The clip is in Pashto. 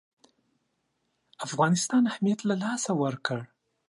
افغانستان اهمیت له لاسه ورکړ.